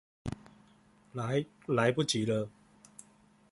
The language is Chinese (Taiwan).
來、來不及了